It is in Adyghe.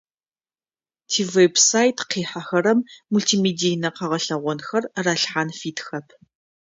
Тивеб-сайт къихьэхэрэм мултимедийнэ къэгъэлъэгъонхэр ралъхьан фитхэп.